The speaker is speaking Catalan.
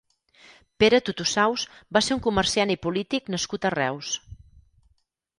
Pere Totosaus va ser un comerciant i polític nascut a Reus.